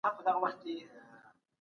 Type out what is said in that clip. د ناروغۍ پر مهال ناشکري مه کوئ.